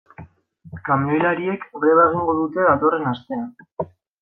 Kamioilariek greba egingo dute datorren astean.